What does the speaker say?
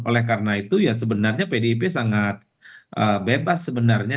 oleh karena itu ya sebenarnya pdip sangat bebas sebenarnya